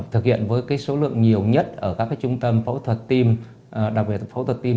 thực hiện với cái số lượng nhiều nhất ở các cái trung tâm phẫu thuật tim